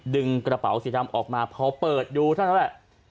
ดึงกระเป๋าสีดำออกมาพอเปิดดูเท่านั้นแหละ